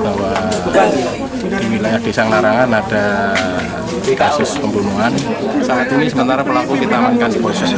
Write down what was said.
bahwa di wilayah desa narangan ada kasus pembunuhan saat ini sementara pelaku ditamankan